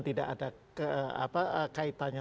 tidak ada kaitannya